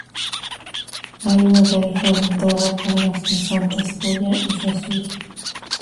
Hay una tarifa de entrada para los infantes Cuya y Jesús.